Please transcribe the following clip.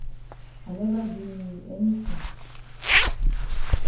I never do me yi anytin.